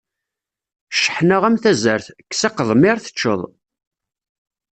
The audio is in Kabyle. Cceḥna am tazart, kkes aqedmiṛ teččeḍ.